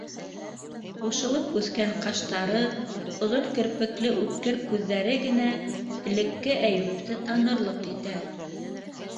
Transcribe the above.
Ҡушылып үҫкән ҡаштары, оҙон керпекле үткер күҙҙәре генә элекке Әйүпте танырлыҡ итә.